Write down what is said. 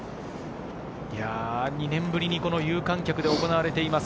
２年ぶりに有観客で行われています